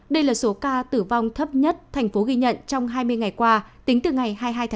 đây là số ca tử vong thấp nhất tp hcm ghi nhận trong hai mươi ngày qua tính từ ngày hai mươi hai tám